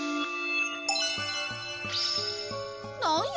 なんや？